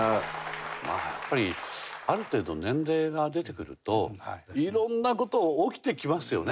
まあやっぱりある程度年齢が出てくると色んな事起きてきますよね。